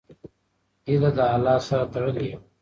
هیله له الله سره تړلې وي.